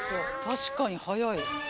確かに速い。